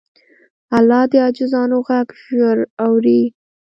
الله د عاجزانو غږ ژر اوري.